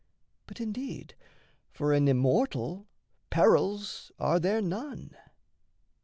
But indeed For an immortal perils are there none.